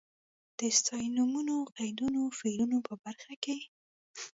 د ستاینومونو، قیدونو، فعلونو په برخه کې.